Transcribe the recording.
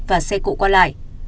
và xe cộ qua lại